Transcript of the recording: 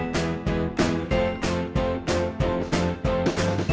มีความสุขในที่ที่เราอยู่ในช่องนี้ก็คือความสุขในที่ที่เราอยู่ในช่องนี้